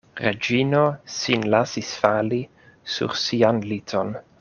Reĝino sin lasis fali sur sian liton.